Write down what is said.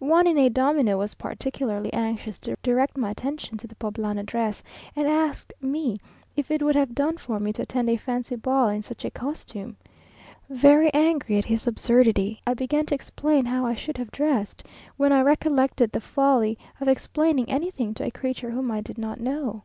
One in a domino was particularly anxious to direct my attention to the Poblana dress, and asked me if it would have done for me to attend a fancy ball in such a costume. Very angry at his absurdity, I began to explain how I should have dressed, when I recollected the folly of explaining anything to a creature whom I did not know.